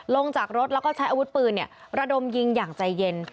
ลงจากรถแล้วก็ใช้อาวุธปืนระดมยิงอย่างใจเย็น